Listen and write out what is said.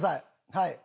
はい。